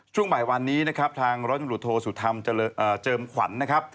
ช่วงบ่ายวันนี้นะครับทางร้อยตำรวจโทสุธรรมเจิมขวัญนะครับ